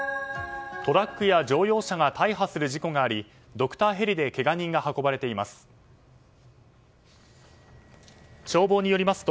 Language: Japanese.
トラックや乗用車が大破する事故がありドクターヘリでけが人が運ばれています。